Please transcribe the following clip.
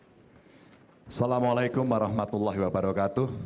assalamu'alaikum warahmatullahi wabarakatuh